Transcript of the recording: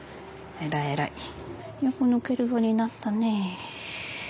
よく抜けるようになったね。